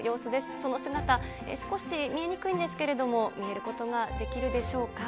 その姿、少し見えにくいんですけれども、見えることができるでしょうか。